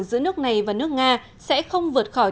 giữa nước này và nước nga sẽ không vượt khỏi